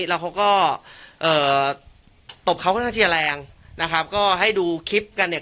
แล้วเขาก็เอ่อตบเขาค่อนข้างที่จะแรงนะครับก็ให้ดูคลิปกันเนี่ย